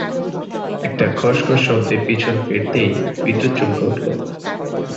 একটা খসখস শব্দে পিছন ফিরতেই বিদ্যুৎ চমকে উঠলো